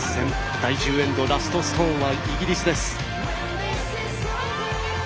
第１０エンドラストストーン、イギリスです。